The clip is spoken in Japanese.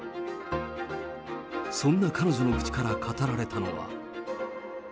そんな彼女の口から語られたのは。